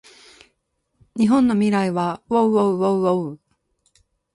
日本の未来はうぉううぉううぉううぉう